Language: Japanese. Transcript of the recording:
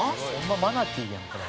「マナティーやんこれ」